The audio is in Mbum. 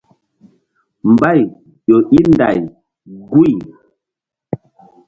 Mbay ƴo í nday guy.